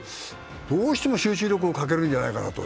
どうしても集中力に欠けるんじゃないかと。